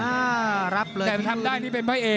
อ่ารับเลยทีมือ